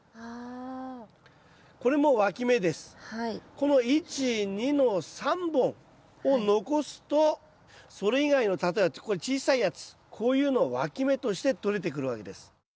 この１２の３本を残すとそれ以外の例えばこれ小さいやつこういうのをわき芽として取れてくるわけです。